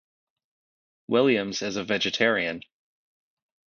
Williams is a vegetarian.